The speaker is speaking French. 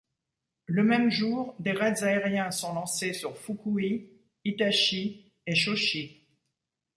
Le même jour des raids aériens sont lancés sur Fukui, Hitachi et Chōshi.